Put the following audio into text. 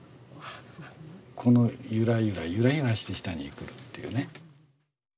このゆらゆらゆらゆらして下にくるっていうね。